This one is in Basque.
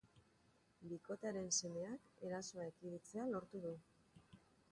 Bikotearen semeak erasoa ekiditzea lortu du.